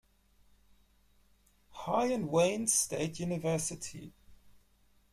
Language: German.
High and Wayne State University".